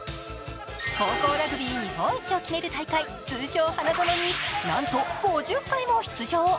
高校ラグビー日本一を決める大会、通称花園になんと通算５０回も出場。